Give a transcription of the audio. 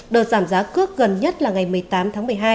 đợt giảm giá cước gần nhất là ngày một mươi tám tháng một mươi hai